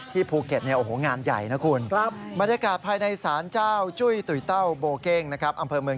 ที่ภูเก็ตโอ้โฮงานใหญ่นะคุณ